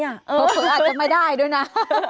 เพราะคืออาจจะไม่ได้ด้วยนะ